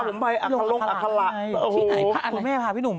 เออรู้ว่าอยากสมองจะได้มีอะไรบ้าง